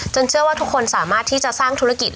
เชื่อว่าทุกคนสามารถที่จะสร้างธุรกิจ